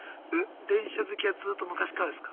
電車好きはずっと昔からですか？